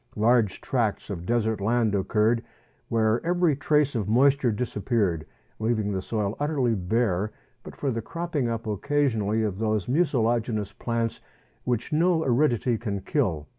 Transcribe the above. Large tracts of desert land occurred, where every trace of moisture disappeared, leaving the soil utterly bare but for the cropping up occasionally of those mucilaginous plants which no aridity can kill.